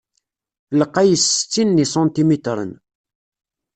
lqay s settin n yisantimitren.